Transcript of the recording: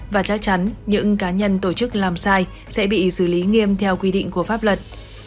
và chắc chắn những cá nhân tổ chức làm sai sẽ bị xử lý nghiêm theo quy định của pháp luật